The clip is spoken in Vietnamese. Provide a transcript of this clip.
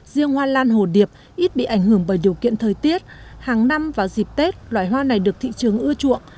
riêng hoa lan hồ điệp ít bị ảnh hưởng bởi điều kiện thời tiết hàng năm vào dịp tết loài hoa này được thị trường ưa chuộng